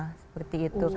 sampai koma seperti itu